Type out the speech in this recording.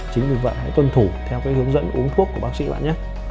chính vì vậy hãy tuân thủ theo cái hướng dẫn uống thuốc của bác sĩ bạn nhé